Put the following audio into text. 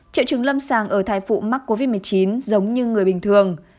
triệu chứng lâm sàng ở thai phụ mắc covid một mươi chín giống như người bình thường